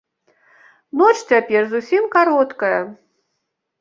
Ноч цяпер зусім кароткая.